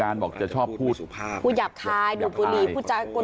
อาจจะพูดแบบอิสุภาพ